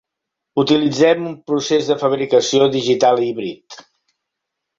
Utilitzem un procès de fabricació digital híbrid.